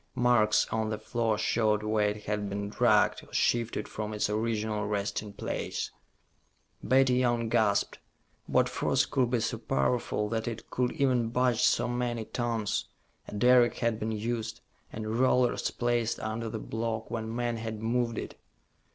Marks on the floor showed where it had been dragged or shifted from its original resting place. Betty Young gasped. What force could be so powerful that it could even budge so many tons? A derrick had been used, and rollers placed under the block when men had moved it.